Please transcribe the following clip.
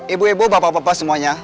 ibu ibu bapak bapak semuanya